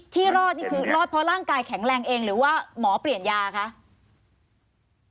ที่รอดนี่คือรอดเพราะร่างกายแข็งแรงเองหรือว่าหมอเปลี่ยนยาคะ